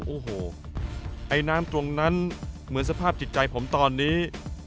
โอ้โหไอ้น้ำตรงนั้นเหมือนสภาพจิตใจผมตอนนี้